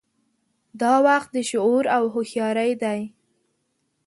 دا وخت د شعور او هوښیارۍ دی.